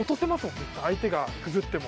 絶対相手がぐずっても。